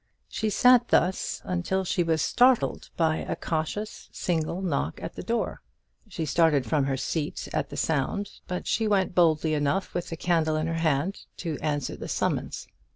She sat thus, until she was startled by a cautious single knock at the door. She started from her seat at the sound; but she went boldly enough, with the candle in her hand, to answer the summons.